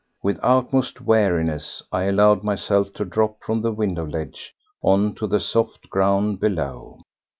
With utmost wariness I allowed myself to drop from the window ledge on to the soft ground below.